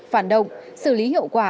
phản động xử lý hiệu quả